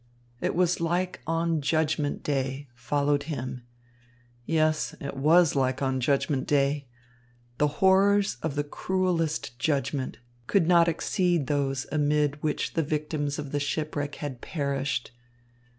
"It was like on Judgment Day," followed him. Yes, it was like on Judgment Day! The horrors of the cruellest judgment could not exceed those amid which the victims of the shipwreck had perished.